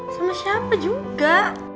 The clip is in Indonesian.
sama siapa juga